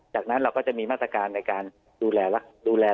จากนั้นเราก็จะมีมาตรการในการดูแลดูแล